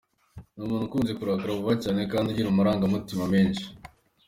Ni umuntu ukunze kurakara vuba kandi ugira amarangamutima menshi.